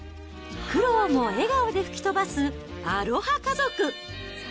苦労も笑顔で吹き飛ばすアロハ家族。